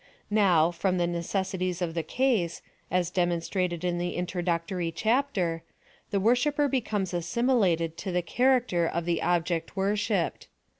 Now, from thp necessities of the case, as demonstrated in the introductory chapter, the worshipper becomes assim ilated to tlie character of the object worshipped.